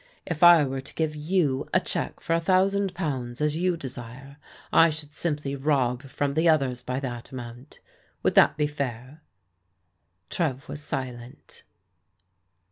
If I were to give you a check for a thousand pounds as you desire, I should simply rob from the others by that amount. Would that be fair?" Trev was silent.